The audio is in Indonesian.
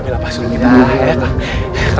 bukan bukan karena